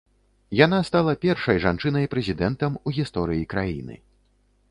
Яна стала першай жанчынай-прэзідэнтам у гісторыі краіны.